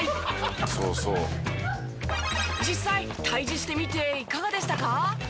「そうそう」実際対峙してみていかがでしたか？